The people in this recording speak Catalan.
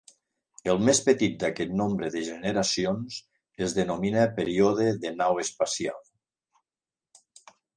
El més petit d'aquest nombre de generacions es denomina període de nau espacial.